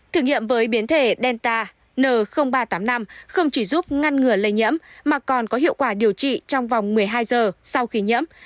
thử nghiệm với biến thể delta n ba trăm tám mươi năm không chỉ giúp ngăn ngừa lây nhiễm mà còn có hiệu quả điều trị trong vòng một mươi hai giờ sau khi nhiễm